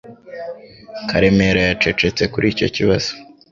Karemera yacecetse kuri icyo kibazo